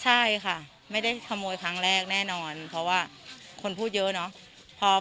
ใช่ค่ะไม่ได้ขโมยครั้งแรกแน่นอนเพราะว่าคนพูดเยอะเนาะ